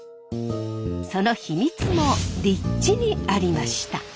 その秘密も立地にありました。